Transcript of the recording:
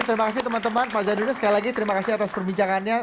terima kasih teman teman pak zainuddin sekali lagi terima kasih atas perbincangannya